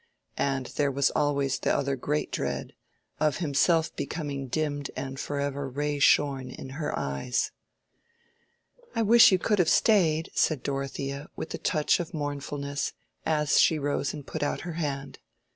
And there was always the other great dread—of himself becoming dimmed and forever ray shorn in her eyes. "I wish you could have stayed," said Dorothea, with a touch of mournfulness, as she rose and put out her hand.